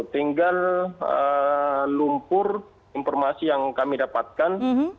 tinggal lumpur informasi yang kami dapatkan